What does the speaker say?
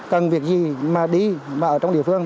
cần việc gì mà đi mà ở trong địa phương